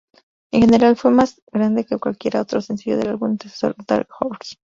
En general fue más grande que cualquier otro sencillo del álbum antecesor "Dark Horse".